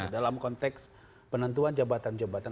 dalam konteks penentuan jabatan jabatan